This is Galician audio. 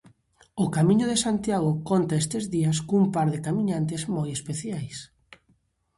O camiño de Santiago conta estes días cun par de camiñantes moi especiais.